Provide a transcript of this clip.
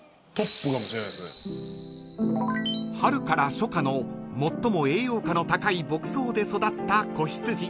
［春から初夏の最も栄養価の高い牧草で育った子羊］